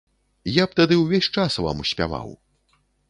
Я б тады увесь час вам спяваў!